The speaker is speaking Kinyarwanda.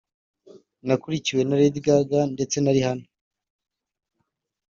wakurikiwe na Lady Gaga ndetse na Rihanna